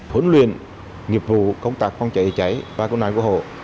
huấn luyện nghiệp vụ công tác phòng trái chữa cháy và công an công an hồ hồ